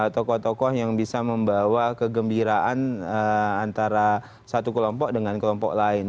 tokoh tokoh yang bisa membawa kegembiraan antara satu kelompok dengan kelompok lain